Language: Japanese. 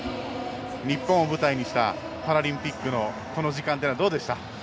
日本を舞台にしたパラリンピックのこの時間というのはどうでした？